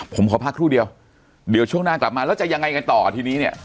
ผมขอพักครู่เดียวเดี๋ยวช่วงหน้ากลับมาแล้วจะยังไงกันต่อทีนี้เนี่ย